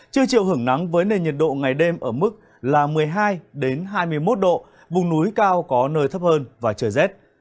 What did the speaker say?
chưa chịu hưởng nắng với nền nhiệt độ ngày đêm ở mức là một mươi hai hai mươi một độ vùng núi cao có nơi thấp hơn và trời rét